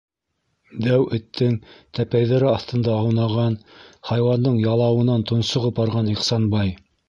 Дәү эттең тәпәйҙәре аҫтында аунаған, хайуандың ялауынан тонсоғоп барған Ихсанбай: